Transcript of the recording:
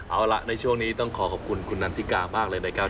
เอาล่ะในช่วงนี้ต้องขอขอบคุณคุณนันทิกามากเลยนะครับ